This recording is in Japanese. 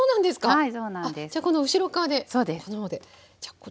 はい。